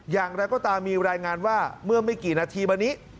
อย่างไรก็ตามมีรายงานว่าเมื่อไม่กี่นาทีวันนี้